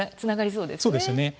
そうですよね。